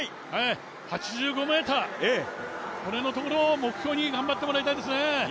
８５ｍ、これのところを目標に頑張ってもらいたいですね！